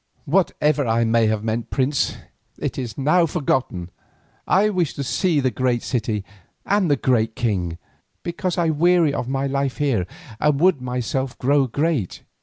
"Whatever I may have meant, prince, it is now forgotten. I wished to see the great city and the great king, because I weary of my life here and would myself grow great.